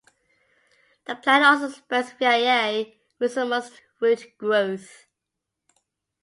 The plant also spreads via rhizomous root growth.